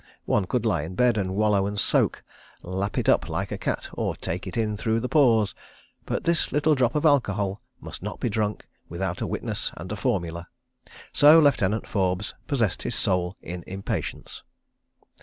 One could lie in bed and wallow and soak, lap it up like a cat or take it in through the pores—but this little drop of alcohol must not be drunk without a witness and a formula. So Lieutenant Forbes possessed his soul in impatience.